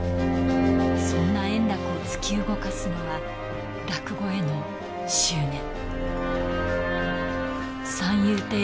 そんな円楽を突き動かすのは、落語への執念。